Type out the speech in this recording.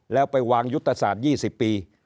แล้วไปวางยุทธศาสตร์๒๐ปี